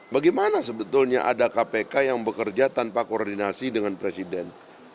bagaimana sebetulnya ada kpk yang bekerja tanpa koordinasi dengan presiden